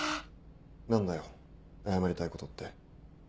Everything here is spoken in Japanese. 何だよ謝りたいことって。